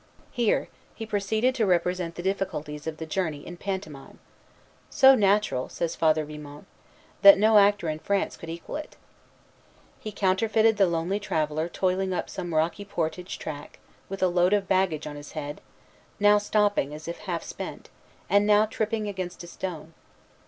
Here he proceeded to represent the difficulties of the journey in pantomime, "so natural," says Father Vimont, "that no actor in France could equal it." He counterfeited the lonely traveller toiling up some rocky portage track, with a load of baggage on his head, now stopping as if half spent, and now tripping against a stone.